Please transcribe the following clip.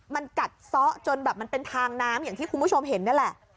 มันกัดซ้อจนแบบมันเป็นทางน้ำอย่างที่คุณผู้ชมเห็นนี่แหละ